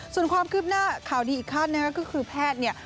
ส่วนความคืบหน้าข่าวดีอีกขั้นก็คือแพทย์